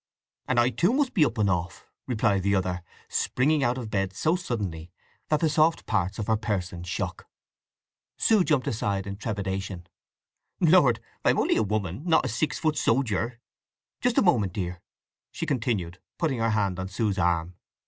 "And I, too, must up and off!" replied the other, springing out of bed so suddenly that the soft parts of her person shook. Sue jumped aside in trepidation. "Lord, I am only a woman—not a six foot sojer! … Just a moment, dear," she continued, putting her hand on Sue's arm.